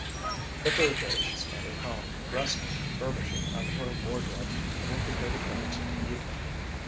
The third day she spent at home, resting and furbishing up her wardrobe to make a good appearance in the evening.